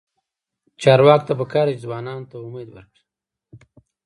چارواکو ته پکار ده چې، ځوانانو ته امید ورکړي.